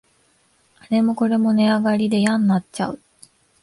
あれもこれも値上がりでやんなっちゃう